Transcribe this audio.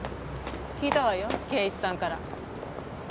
聞いたわよ圭一さんから。